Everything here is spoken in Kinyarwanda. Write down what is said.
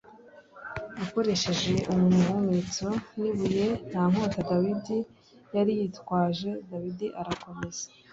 akoresheje umuhumetso n ibuye Nta nkota Dawidi yari yitwaje b Dawidi arakomeza